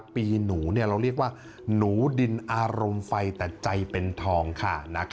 ปีหนูเราเรียกว่าหนูดินอารมณ์ไฟแต่ใจเป็นทองค่ะ